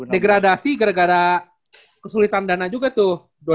degradasi gara gara kesulitan dana juga tuh dua ribu delapan belas tuh